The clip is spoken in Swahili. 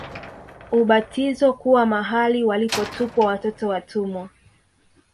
Ubatizo kuwa mahali walipotupwa watoto watumwa